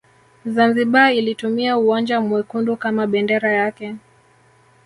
Zanzibar ilitumia uwanja mwekundu kama bendera yake